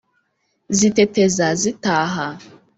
Ziteteza zitaha